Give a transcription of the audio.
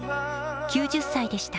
９０歳でした。